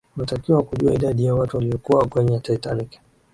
unatakiwa kujua idadi ya watu waliyokuwa kwenye titanic